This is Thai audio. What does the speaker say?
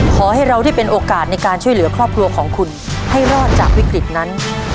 ขอให้เราได้เป็นโอกาสในการช่วยเหลือครอบครัวของคุณให้รอดจากวิกฤตนั้น